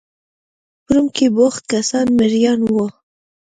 په روم کې بوخت کسان مریان وو.